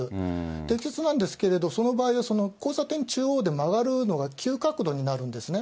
適切なんですけれども、その場合、交差点中央で曲がるのが急角度になるんですね。